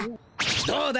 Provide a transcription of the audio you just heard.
どうだ？